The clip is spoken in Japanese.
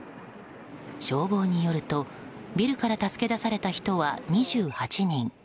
消防によるとビルから助け出された人は２８人。